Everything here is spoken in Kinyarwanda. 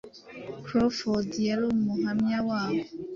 Crawford yari umuhamya wabo